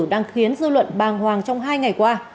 đang khiến dư luận bàng hoàng trong hai ngày qua